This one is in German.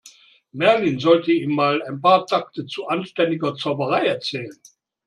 Merlin sollte ihm mal ein paar Takte zu anständiger Zauberei erzählen.